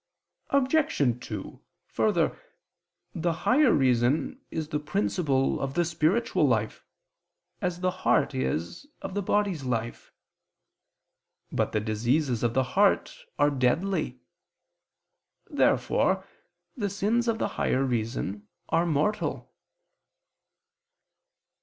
Obj. 2: Further, the higher reason is the principle of the spiritual life, as the heart is of the body's life. But the diseases of the heart are deadly. Therefore the sins of the higher reason are mortal.